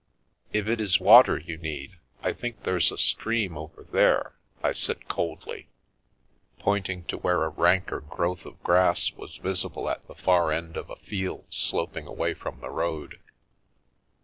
" If it is water you need, I think there's a stream over 154 First Maurice and then Edgar there," I said coldly, pointing to where a ranker growth of grass was visible at the far end of a field sloping away from the road.